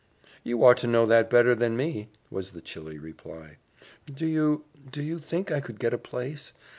"You ought to know that better than me," was the chilly reply. "Do you do you think I could get a place?